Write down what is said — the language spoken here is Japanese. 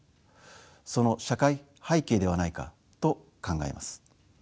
その社会背景ではないかと考えます。